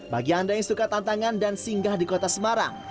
bagi anda yang suka tantangan dan singgah di kota semarang